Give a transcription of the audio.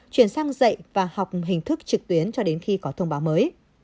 chuyển sang dạy và học hình thức trực tuyến cho đến khi có thông báo mới